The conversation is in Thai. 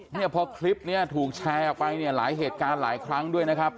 เนี่ยพอคลิปนี้ถูกแชร์ออกไปเนี่ยหลายเหตุการณ์หลายครั้งด้วยนะครับ